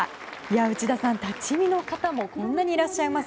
内田さん、立ち見の方もこんなにいらっしゃいます。